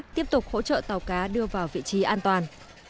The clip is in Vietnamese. tiếp tục hỗ trợ tàu cá đưa vào vị trí an toàn